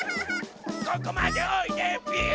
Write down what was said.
ここまでおいでびゅん！